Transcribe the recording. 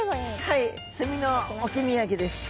はい墨の置き土産です。